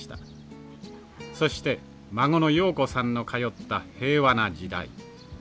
そして孫の陽子さんの通った平和な時代。